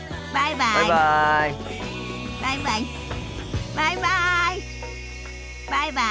バイバイ。